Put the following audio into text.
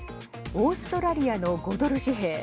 オーストラリアの５ドル紙幣。